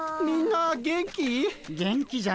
みんな元気？